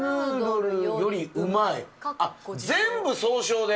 全部総称で？